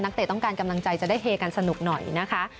เตะต้องการกำลังใจจะได้เฮกันสนุกหน่อยนะคะ